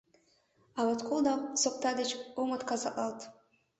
А вот кол да сокта деч ом отказатлалт.